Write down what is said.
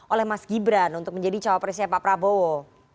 oleh mas gibran untuk menjadi cowok presiden pak prabowo